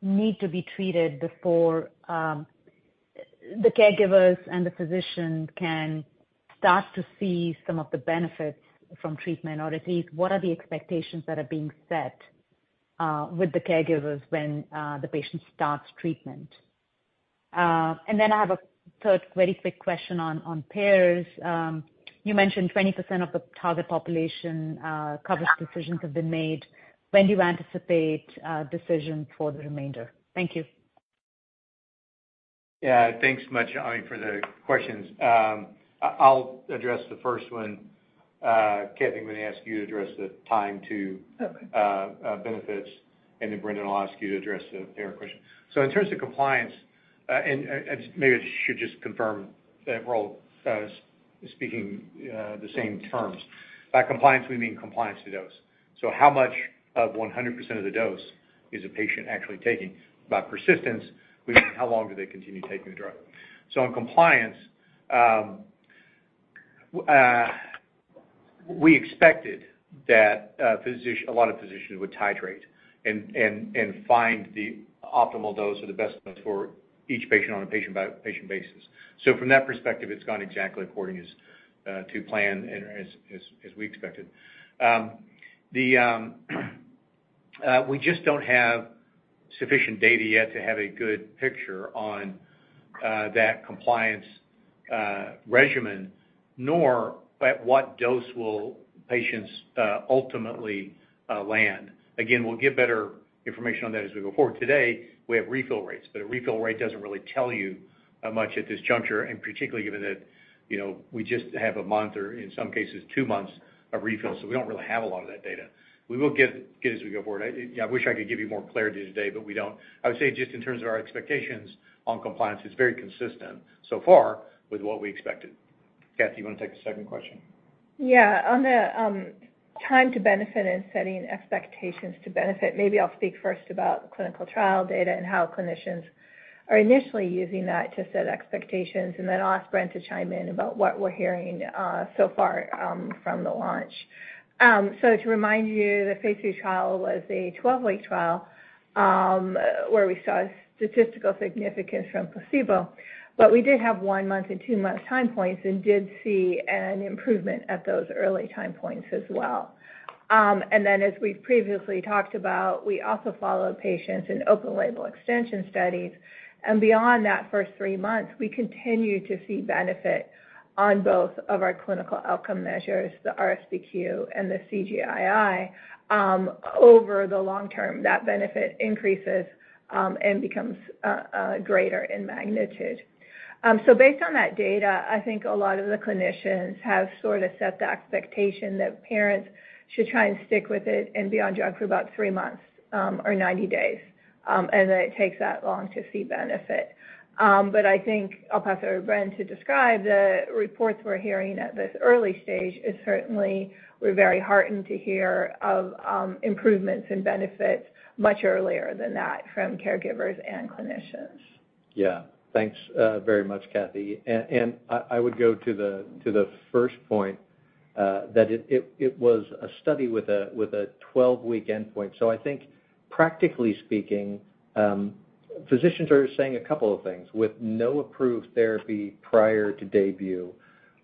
need to be treated before the caregivers and the physician can start to see some of the benefits from treatment, or at least what are the expectations that are being set with the caregivers when the patient starts treatment? I have a third very quick question on payers. You mentioned 20% of the target population, coverage decisions have been made. When do you anticipate decision for the remainder? Thank you. Yeah. Thanks much, Ami, for the questions. I'll address the first one. Kathie, I'm gonna ask you to address the time to- Okay. benefits, and then Brendan, I'll ask you to address the payer question. In terms of compliance, and maybe I should just confirm that we're all speaking the same terms. By compliance, we mean compliance to dose. How much of 100% of the dose is a patient actually taking? By persistence, we mean how long do they continue taking the drug. In compliance, we expected that a lot of physicians would titrate and find the optimal dose or the best dose for each patient on a patient by patient basis. From that perspective, it's gone exactly according as to plan and as we expected. The... We just don't have sufficient data yet to have a good picture on that compliance regimen, nor at what dose will patients ultimately land. Again, we'll get better information on that as we go forward. Today, we have refill rates, but a refill rate doesn't really tell you much at this juncture, and particularly given that, you know, we just have a month, or in some cases, two months of refills, so we don't really have a lot of that data. We will get as we go forward. I wish I could give you more clarity today, but we don't. I would say, just in terms of our expectations on compliance, it's very consistent so far with what we expected. Kathie, you wanna take the second question? Yeah. On the time to benefit and setting expectations to benefit, maybe I'll speak first about the clinical trial data and how clinicians are initially using that to set expectations. Then I'll ask Brendan to chime in about what we're hearing, so far, from the launch. To remind you, the Phase III trial was a 12-week trial, where we saw statistical significance from placebo, but we did have 1-month and 2-month time points and did see an improvement at those early time points as well. As we've previously talked about, we also followed patients in open-label extension studies, and beyond that first 3 months, we continued to see benefit on both of our clinical outcome measures, the RSBQ and the CGI-I. Over the long term, that benefit increases, and becomes greater in magnitude. Based on that data, I think a lot of the clinicians have sort of set the expectation that parents should try and stick with it and be on drug for about three months or 90 days. That it takes that long to see benefit. I think I'll pass it over to Brendan to describe the reports we're hearing at this early stage is certainly we're very heartened to hear of improvements and benefits much earlier than that from caregivers and clinicians. Yeah. Thanks very much, Kathie. I would go to the first point that it was a study with a 12-week endpoint. I think practically speaking, physicians are saying a couple of things: with no approved therapy prior to DAYBUE,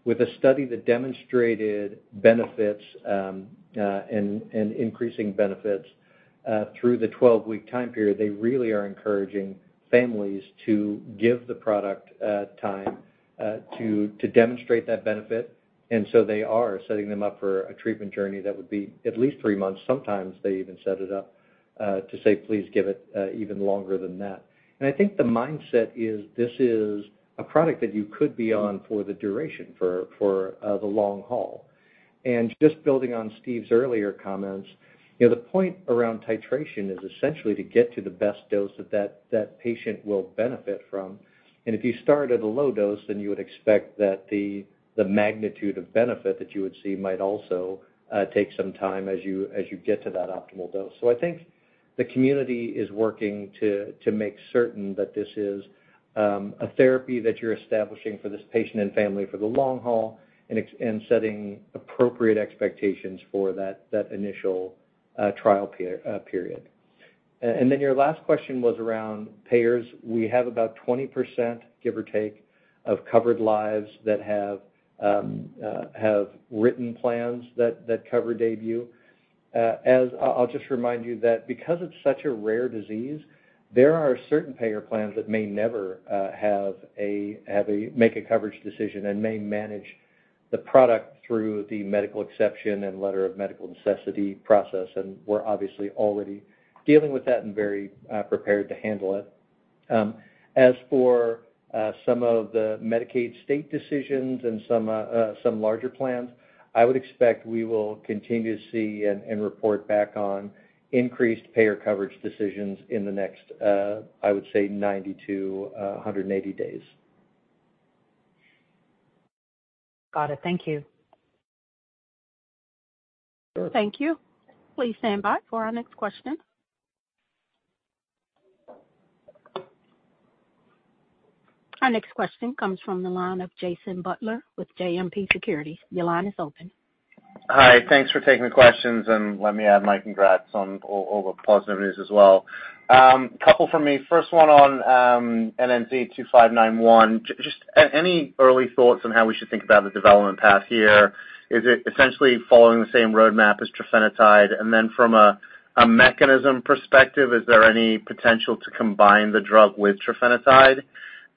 with a study that demonstrated benefits, and increasing benefits through the 12-week time period, they really are encouraging families to give the product time to demonstrate that benefit. They are setting them up for a treatment journey that would be at least three months. Sometimes they even set it up to say: Please give it even longer than that. I think the mindset is, this is a product that you could be on for the duration, for the long haul. Just building on Steve's earlier comments, you know, the point around titration is essentially to get to the best dose that patient will benefit from. If you start at a low dose, then you would expect that the magnitude of benefit that you would see might also take some time as you get to that optimal dose. I think the community is working to make certain that this is a therapy that you're establishing for this patient and family for the long haul, and setting appropriate expectations for that initial trial period. Then your last question was around payers. We have about 20%, give or take, of covered lives that have written plans that cover DAYBUE. I'll just remind you that because it's such a rare disease, there are certain payer plans that may never make a coverage decision and may manage the product through the medical exception and letter of medical necessity process. We're obviously already dealing with that and very prepared to handle it. As for some of the Medicaid state decisions and some larger plans, I would expect we will continue to see and report back on increased payer coverage decisions in the next, I would say, 90 to 180 days. Got it. Thank you. Thank you. Please stand by for our next question. Our next question comes from the line of Jason Butler with JMP Securities. Your line is open. Hi. Thanks for taking the questions, and let me add my congrats on all the positive news as well. Couple from me. First one on NNZ-2591. Any early thoughts on how we should think about the development path here? Is it essentially following the same roadmap as trofinetide? From a mechanism perspective, is there any potential to combine the drug with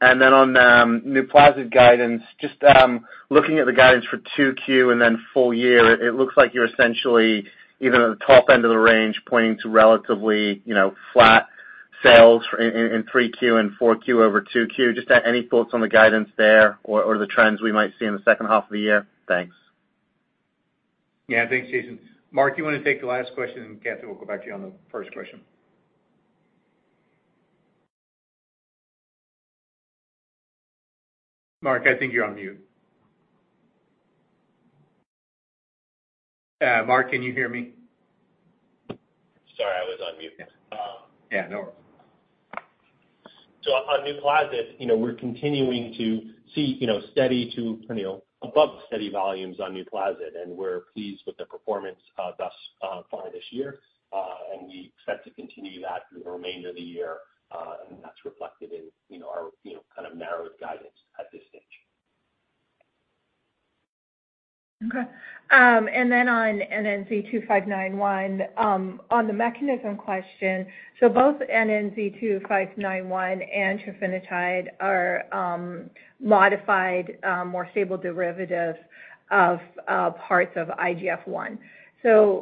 trofinetide? On Nuplazid guidance, just looking at the guidance for 2Q and then full year, it looks like you're essentially even at the top end of the range, pointing to relatively, you know, flat sales in 3Q and 4Q over 2Q. Just any thoughts on the guidance there or the trends we might see in the second half of the year? Thanks. Yeah. Thanks, Jason. Mark, you want to take the last question, and Kathie, we'll go back to you on the first question. Mark, I think you're on mute. Mark, can you hear me? Sorry, I was on mute. Yeah, no worries. On Nuplazid, you know, we're continuing to see, you know, steady to, you know, above steady volumes on Nuplazid, and we're pleased with the performance, thus far this year. We expect to continue that through the remainder of the year, and that's reflected in, you know, our, you know, kind of narrowed guidance at this stage. Okay. On NNZ-2591, on the mechanism question, both NNZ-2591 and trofinetide are modified, more stable derivatives of parts of IGF-1.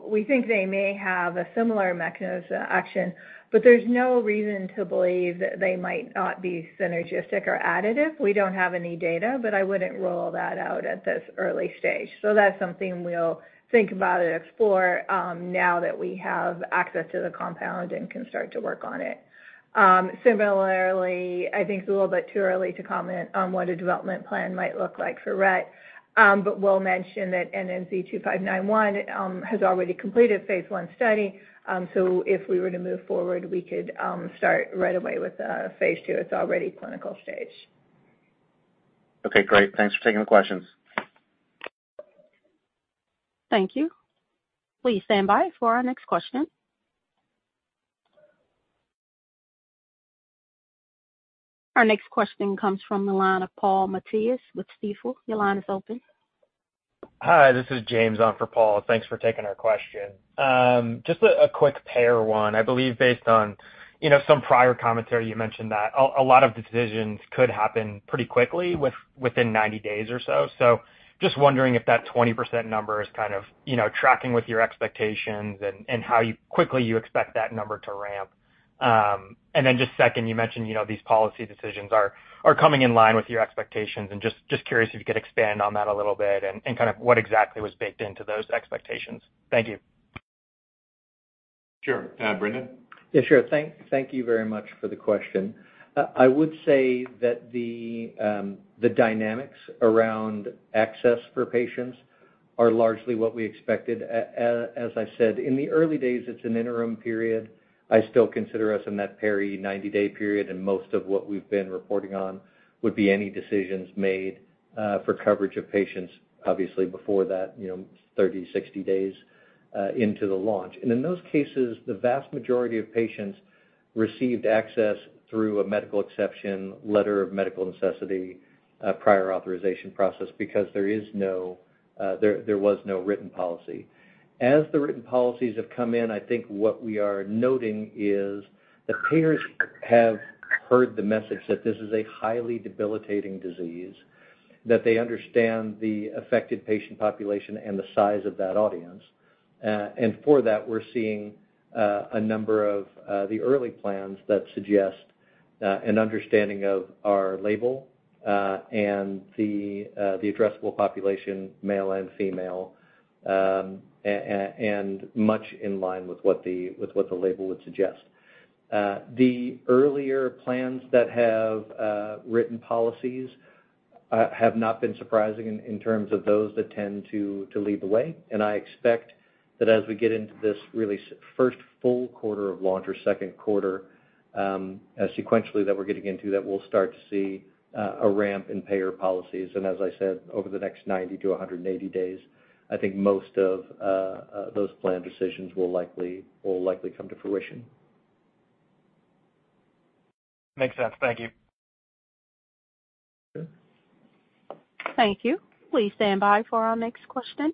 We think they may have a similar mechanism of action, but there's no reason to believe that they might not be synergistic or additive. We don't have any data, but I wouldn't rule that out at this early stage. That's something we'll think about and explore, now that we have access to the compound and can start to work on it. Similarly, I think it's a little bit too early to comment on what a development plan might look like for Rett, but we'll mention that NNZ-2591 has already completed phase 1 study. If we were to move forward, we could start right away with phase 2. It's already clinical stage. Okay, great. Thanks for taking the questions. Thank you. Please stand by for our next question. Our next question comes from the line of Paul Matteis with Stifel. Your line is open. Hi, this is James on for Paul. Thanks for taking our question. Just a quick payer one. I believe based on, you know, some prior commentary, you mentioned that a lot of decisions could happen pretty quickly, within 90 days or so. Just wondering if that 20% number is kind of, you know, tracking with your expectations and how you quickly you expect that number to ramp. Just second, you mentioned, you know, these policy decisions are coming in line with your expectations, and curious if you could expand on that a little bit and kind of what exactly was baked into those expectations. Thank you. Sure. Brendan? Yeah, sure. Thank you very much for the question. I would say that the dynamics around access for patients are largely what we expected. As I said, in the early days, it's an interim period. I still consider us in that 90-day period, and most of what we've been reporting on would be any decisions made for coverage of patients, obviously, before that, you know, 30, 60 days into the launch. In those cases, the vast majority of patients received access through a medical exception, letter of medical necessity, prior authorization process, because there is no, there was no written policy. As the written policies have come in, I think what we are noting is that payers have heard the message that this is a highly debilitating disease, that they understand the affected patient population and the size of that audience. For that, we're seeing a number of the early plans that suggest an understanding of our label and the addressable population, male and female, and much in line with what the label would suggest. The earlier plans that have written policies have not been surprising in terms of those that tend to lead the way. I expect that as we get into this really first full quarter of launch or second quarter, sequentially that we're getting into, that we'll start to see a ramp in payer policies. As I said, over the next 90 to 180 days, I think most of those plan decisions will likely come to fruition. Makes sense. Thank you. Sure. Thank you. Please stand by for our next question.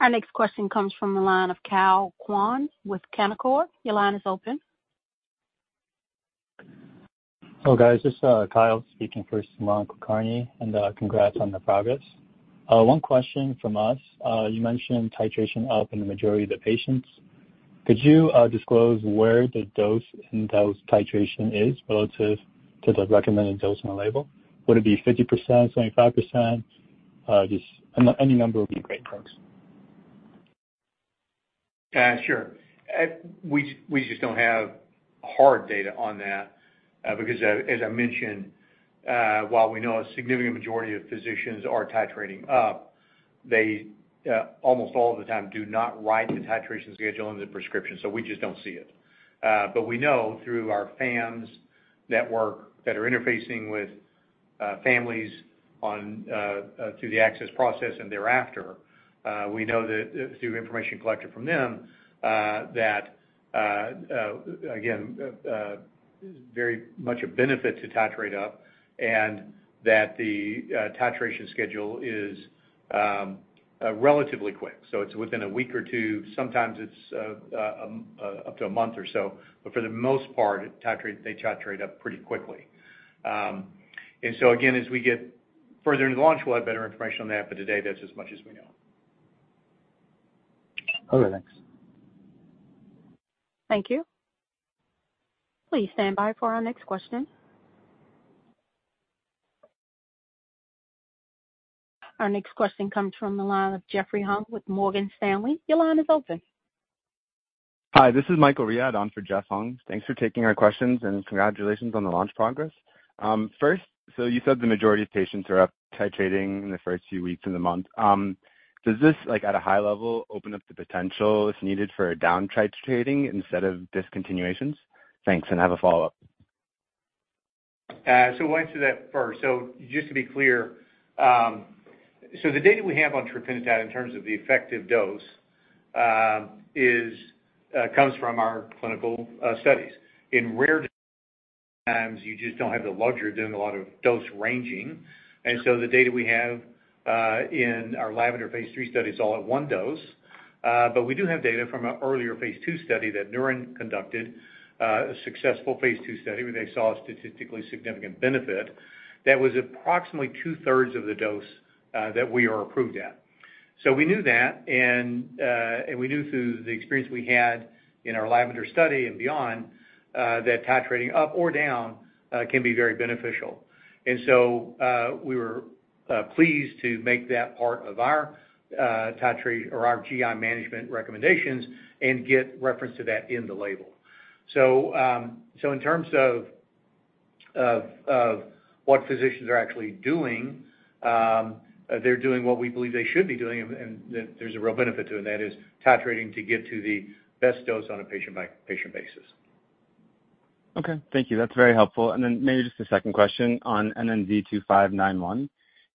Our next question comes from the line of Kyle Qian with Canaccord. Your line is open. Hello, guys, this is Kyle Qian speaking for Sumant Kulkarni. Congrats on the progress. One question from us. You mentioned titration up in the majority of the patients. Could you disclose where the dose in those titration is relative to the recommended dose on the label? Would it be 50%, 25%? Just any number would be great, thanks. Sure. We just don't have hard data on that, because as I mentioned, while we know a significant majority of physicians are titrating up, they almost all of the time do not write the titration schedule on the prescription, so we just don't see it. We know through our Phams network that are interfacing with families on through the access process and thereafter, we know that, through information collected from them, that again, very much a benefit to titrate up and that the titration schedule is relatively quick. So it's within a week or two. Sometimes it's up to a month or so, but for the most part, they titrate up pretty quickly. Again, as we get further into the launch, we'll have better information on that, but today, that's as much as we know. Okay, thanks. Thank you. Please stand by for our next question. Our next question comes from the line of Jeffrey Hung with Morgan Stanley. Your line is open. Hi, this is Michael Riad on for Jeffrey Hung. Thanks for taking our questions, and congratulations on the launch progress. First, you said the majority of patients are up titrating in the first few weeks in the month. Does this, like, at a high level, open up the potential if needed for a down titrating instead of discontinuations? Thanks, and I have a follow-up.... we'll answer that first. Just to be clear, the data we have on trofinetide in terms of the effective dose is comes from our clinical studies. In rare times, you just don't have the luxury of doing a lot of dose ranging, the data we have in our LAVENDER Phase 3 study is all at one dose. We do have data from an earlier Phase 2 study that Neuren conducted, a successful Phase 2 study, where they saw a statistically significant benefit that was approximately two-thirds of the dose that we are approved at. We knew that, we knew through the experience we had in our LAVENDER study and beyond that titrating up or down can be very beneficial. We were pleased to make that part of our titrate or our GI management recommendations and get reference to that in the label. In terms of what physicians are actually doing, they're doing what we believe they should be doing, and there's a real benefit to it, and that is titrating to get to the best dose on a patient-by-patient basis. Okay, thank you. That's very helpful. Maybe just a second question on NNZ-2591.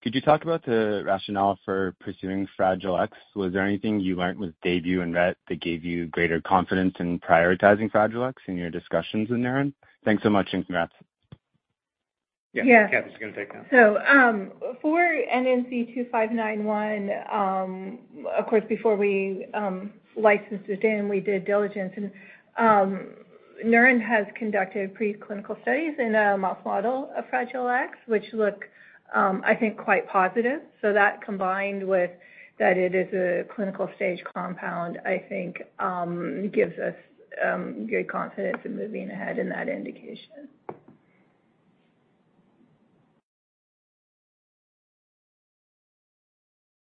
Could you talk about the rationale for pursuing Fragile X? Was there anything you learned with DAYBUE and Rett that gave you greater confidence in prioritizing Fragile X in your discussions with Neuren? Thanks so much. Congrats. Yeah. Yeah. Kathy's gonna take that. For NNZ-2591, of course, before we licensed it and we did diligence, and Neuren has conducted preclinical studies in a mouse model of Fragile X, which look, I think, quite positive. That combined with that, it is a clinical stage compound, I think, gives us good confidence in moving ahead in that indication.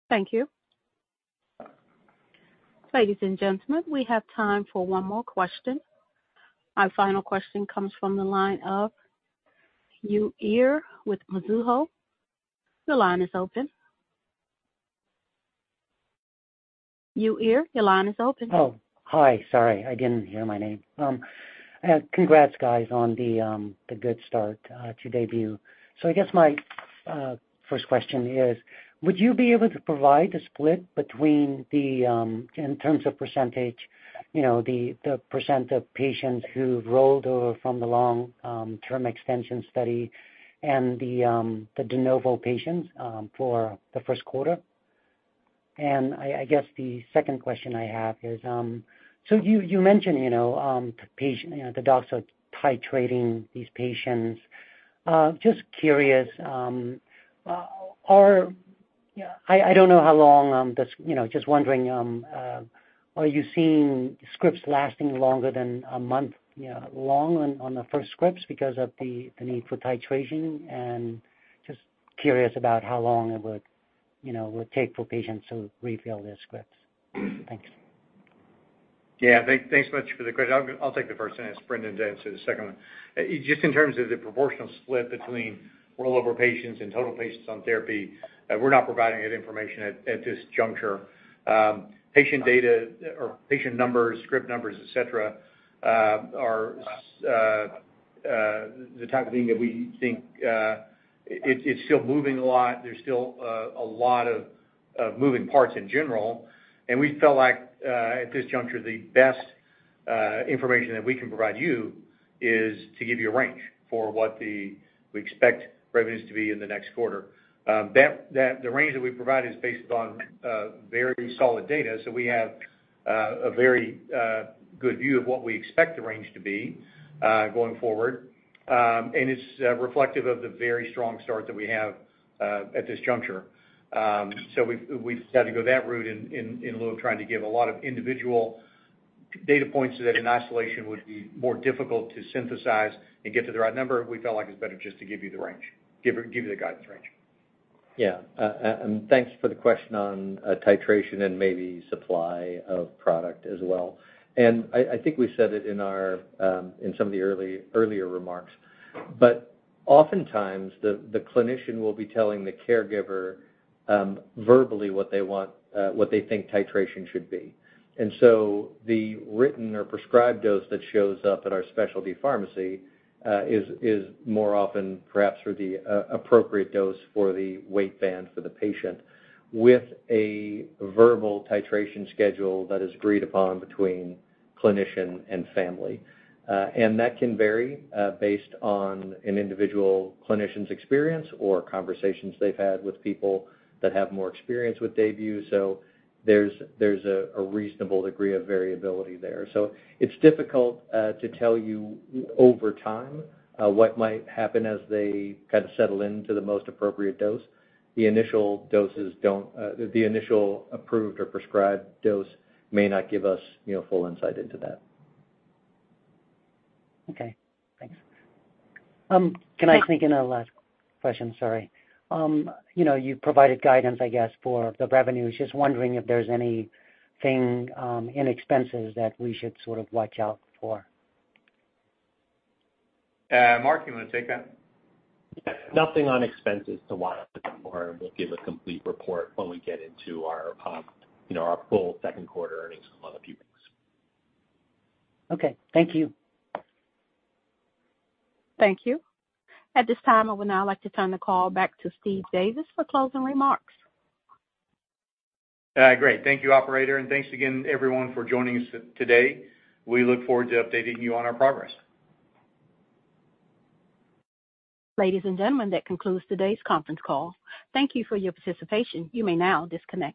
Thank you. Ladies and gentlemen, we have time for one more question. Our final question comes from the line of Uy Ear with Mizuho. Your line is open. Uy Ear, your line is open. Hi. Sorry, I didn't hear my name. Congrats, guys, on the good start to DAYBUE. I guess my first question is, would you be able to provide the split between the in terms of %, you know, the % of patients who've rolled over from the long-term extension study and the de novo patients for the first quarter? I guess the second question I have is, you mentioned, you know, patient, you know, the docs are titrating these patients. Just curious, Yeah, I don't know how long this, you know, just wondering, are you seeing scripts lasting longer than a month, you know, long on the first scripts because of the need for titration? just curious about how long it would, you know, would take for patients to refill their scripts. Thanks. Yeah, thanks much for the question. I'll take the first one, and Brendan can answer the second one. Just in terms of the proportional split between rollover patients and total patients on therapy, we're not providing that information at this juncture. Patient data or patient numbers, script numbers, et cetera, are the type of thing that we think it's still moving a lot. There's still a lot of moving parts in general, and we felt like at this juncture, the best information that we can provide you is to give you a range for what we expect revenues to be in the next quarter. The range that we provide is based on very solid data. We have a very good view of what we expect the range to be going forward. It's reflective of the very strong start that we have at this juncture. We've decided to go that route in lieu of trying to give a lot of individual data points that in isolation would be more difficult to synthesize and get to the right number. We felt like it's better just to give you the range, give you the guidance range. Yeah, thanks for the question on titration and maybe supply of product as well. I think we said it in our, in some of the early, earlier remarks, but oftentimes, the clinician will be telling the caregiver verbally what they want, what they think titration should be. The written or prescribed dose that shows up at our specialty pharmacy is more often perhaps for the appropriate dose for the weight band for the patient, with a verbal titration schedule that is agreed upon between clinician and family. That can vary based on an individual clinician's experience or conversations they've had with people that have more experience with DAYBUE, so there's a reasonable degree of variability there. It's difficult to tell you over time what might happen as they kind of settle into the most appropriate dose. The initial doses don't, the initial approved or prescribed dose may not give us, you know, full insight into that. Okay. Thanks. Can I sneak in a last question? Sorry. You know, you provided guidance, I guess, for the revenues. Just wondering if there's anything in expenses that we should sort of watch out for? Mark, you want to take that? Nothing on expenses to watch out for. We'll give a complete report when we get into our, you know, our full second quarter earnings in another few weeks. Okay. Thank you. Thank you. At this time, I would now like to turn the call back to Steve Davis for closing remarks. Great. Thank you, operator. Thanks again everyone for joining us today. We look forward to updating you on our progress. Ladies and gentlemen, that concludes today's conference call. Thank you for your participation. You may now disconnect.